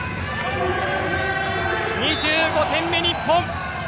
２５点目、日本！